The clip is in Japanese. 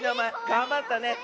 がんばったね。